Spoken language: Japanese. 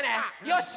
よし！